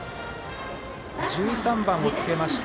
１３番をつけました